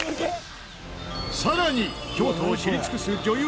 更に京都を知り尽くす女優